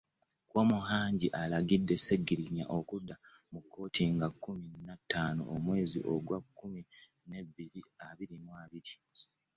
Kyomuhangi alagidde Sseggirinya okudda mu kkooti nga kkumi na ttaano omwezi ogwekkumi n'ebiri bbiri abiri.